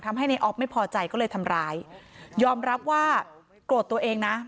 ทำให้ในออฟไม่พอใจก็เลยทำร้ายยอมรับว่าโกรธตัวเองนะ